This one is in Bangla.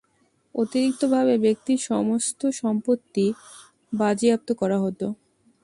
অতিরিক্তভাবে, ব্যক্তির সমস্ত সম্পত্তি বাজেয়াপ্ত করা হতো।